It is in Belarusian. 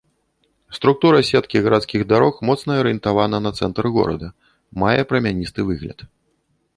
Структура сеткі гарадскіх дарог моцна арыентавана на цэнтр горада, мае прамяністы выгляд.